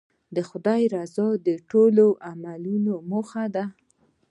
د خدای رضا د ټولو عملونو موخه ده.